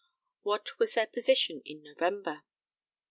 What was their position in November?